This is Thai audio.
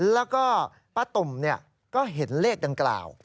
แล้วก็ป้าตุ่มก็เห็นเลขดังกล่าว